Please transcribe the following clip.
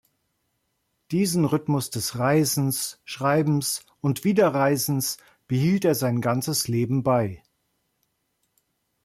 Diesen Rhythmus des Reisens, Schreibens und wieder Reisens behielt er sein ganzes Leben bei.